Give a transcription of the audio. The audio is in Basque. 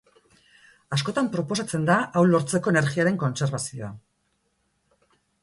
Askotan proposatzen da hau lortzeko energiaren kontserbazioa.